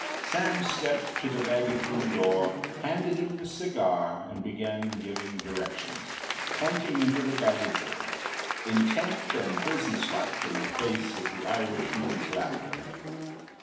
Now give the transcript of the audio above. Sam stepped to the baggage room door, handed him the cigar, and began giving directions, pointing into the baggage room, intent and business like in the face of the Irishman’s laughter.